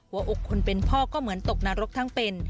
หัวอกคนเป็นพ่อก็เหมือนตกนรกทั้งเป็น